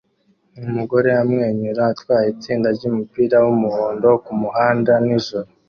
Umugore amwenyura atwaye itsinda ryumupira wumuhondo kumuhanda nijoro